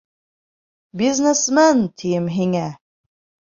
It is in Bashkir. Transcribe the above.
Бизнесмен, тием һиңә!